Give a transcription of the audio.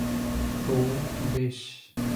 তো, বেশ।